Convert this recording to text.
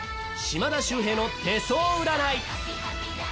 『島田秀平の手相占い』。